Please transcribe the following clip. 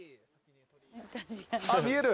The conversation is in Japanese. あっ見える。